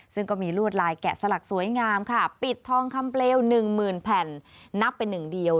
ซึ่งก็มีลวดลายแกะสลักสวยงามค่ะปิดทองคำเปลว๑หมื่นแผ่นนับเป็นหนึ่งเดียว